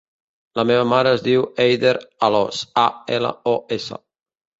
La meva mare es diu Eider Alos: a, ela, o, essa.